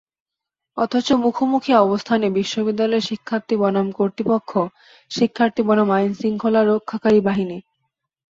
অথচ মুখোমুখি অবস্থানে বিশ্ববিদ্যালয়ের শিক্ষার্থী বনাম কর্তৃপক্ষ, শিক্ষার্থী বনাম আইনশৃঙ্খলা রক্ষাকারী বাহিনী।